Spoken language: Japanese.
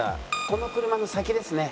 この車の先ですね。